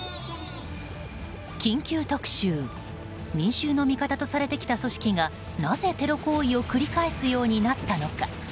緊急特集民衆の味方とされてきた組織がなぜテロ行為を繰り返すようになったのか。